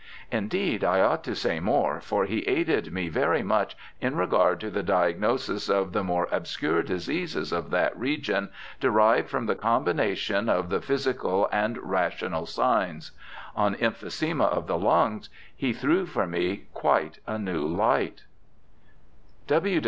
Indeed I ought to say more, for he aided me very much in regard to the diagnosis of the more obscure diseases of that region, derived from the combination of the physical and rational signs. On emphysema of the lungs he threw, for me, quite a new light.'